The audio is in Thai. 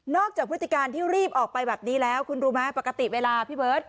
จากพฤติการที่รีบออกไปแบบนี้แล้วคุณรู้ไหมปกติเวลาพี่เบิร์ต